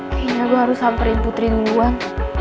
kayaknya gue harus samperin putri duluan